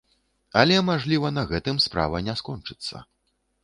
Але, мажліва, на гэтым справа не скончыцца.